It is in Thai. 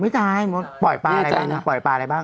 ไม่ตายมอร์ตปล่อยปลาอะไรบ้าง